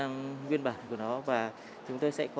nguyên bản của nó